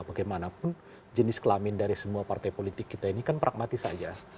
bagaimanapun jenis kelamin dari semua partai politik kita ini kan pragmatis saja